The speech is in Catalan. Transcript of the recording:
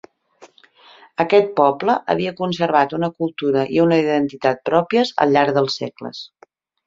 Aquest poble havia conservat una cultura i una identitat pròpies al llarg dels segles.